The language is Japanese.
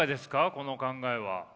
この考えは。